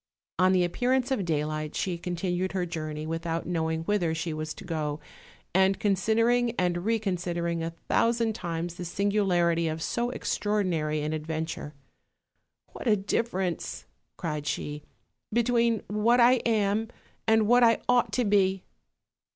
On the appearance of daylight she continued her jour ney without knowing whither she was to go, and consid ering and reconsidering a thousand times the singularity of so extraordinary an adventure. "What a difference," cried she, "between what I am and what I ought to be!"